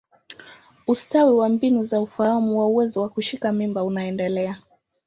Ustawi wa mbinu za ufahamu wa uwezo wa kushika mimba unaendelea.